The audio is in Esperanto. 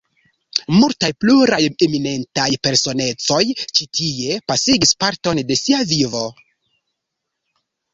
Multaj pluraj eminentaj personecoj ĉi tie pasigis parton de sia vivo.